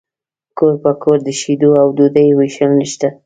کور په کور د شیدو او ډوډۍ ویشل نشته